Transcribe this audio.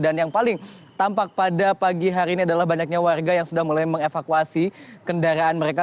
dan yang paling tampak pada pagi hari ini adalah banyaknya warga yang sudah mulai mengevakuasi kendaraan mereka